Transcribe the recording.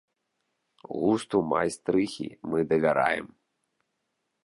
Густу майстрыхі мы давяраем.